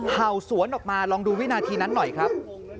เห่าสวนออกมาลองดูวินาทีนั้นหน่อยครับ